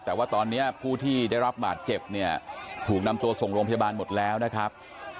แต่ว่าตอนนี้ผู้ที่ได้รับบาดเจ็บเนี่ยถูกนำตัวส่งโรงพยาบาลหมดแล้วนะครับ